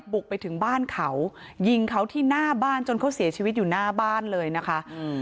บุกไปถึงบ้านเขายิงเขาที่หน้าบ้านจนเขาเสียชีวิตอยู่หน้าบ้านเลยนะคะอืม